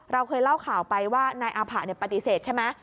เราเคยเล่าข่าวไปว่านายอาผะปฏิเสธใช่ไหม